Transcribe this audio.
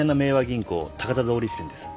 銀行高田通り支店です。